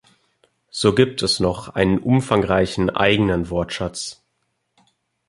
So gibt es noch einen umfangreichen eigenen Wortschatz.